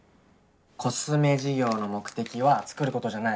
コスメ事業の目的は作ることじゃない。